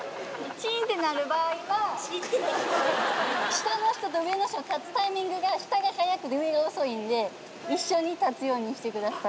チーンてなる場合は、下の人と上の人の立つタイミングが、下が早くて上が遅いんで、一緒に立つようにしてください。